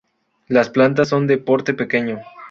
Las plantas son de porte pequeño.